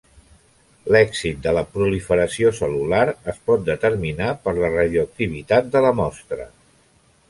L'èxit de la proliferació cel·lular, es pot determinar per la radioactivitat de la mostra.